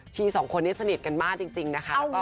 สองคนนี้สนิทกันมากจริงนะคะ